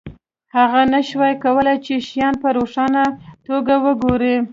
هغه نشوای کولی چې شیان په روښانه توګه وګوري